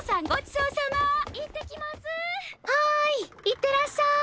行ってらっしゃい！